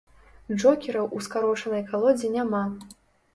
Джокераў ў скарочанай калодзе няма.